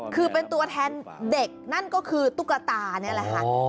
คือเป็นตัวแทนเด็กนั่นก็คือตุ๊กตานี่แหละค่ะ